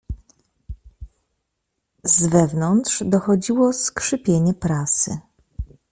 "Z wewnątrz dochodziło skrzypienie prasy."